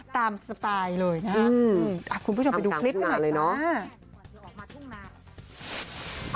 ตามสไตล์เลยนะครับอืมอ่าคุณผู้ชมไปดูคลิปด้วยหน่อยมากเลยน่ะ